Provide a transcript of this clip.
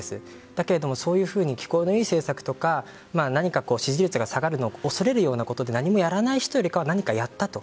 だけど、そういうふうに聞こえの良い政策とか何か支持率が下がるのを恐れるようなことを何もやらない人より何かやったと。